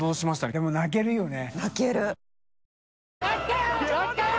でも泣けるよね。